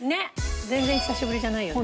全然久しぶりじゃないよね。